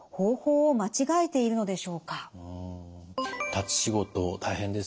立ち仕事大変ですよね。